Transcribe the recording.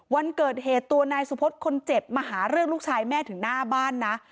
วันเกิดเหตุตัวนายสุพธิ์คนเจ็บมาหาเรื่องลูกชายแม่ถึงหน้าบ้านนะ